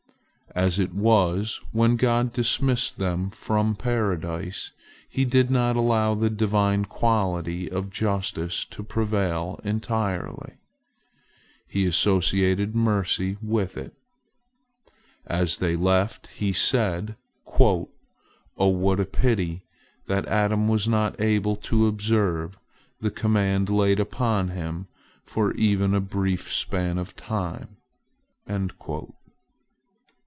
As it was, when God dismissed them from Paradise, He did not allow the Divine quality of justice to prevail entirely. He associated mercy with it. As they left, He said: "O what a pity that Adam was not able to observe the command laid upon him for even a brief span of time!"